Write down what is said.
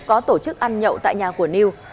có tổ chức ăn nhậu tại nhà của niu